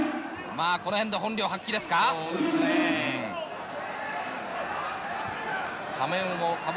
この辺で本領発揮ですか。